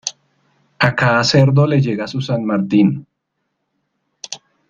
A cada cerdo le llega su San Martín.